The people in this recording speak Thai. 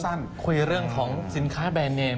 วันนี้ต้องคุยเรื่องของสินค้าแบรนด์เนม